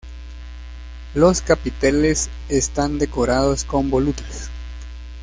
Los capiteles están decorados con volutas.